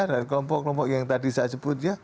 dan kelompok kelompok yang tadi saya sebut ya